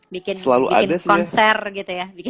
bikin konser gitu ya